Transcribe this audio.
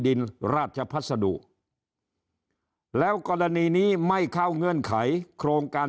ราชพัสดุแล้วกรณีนี้ไม่เข้าเงื่อนไขโครงการ